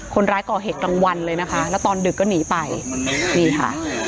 คนร้ายก่อเหตุกลางวันเลยนะคะแล้วตอนดึกก็หนีไปนี่ค่ะ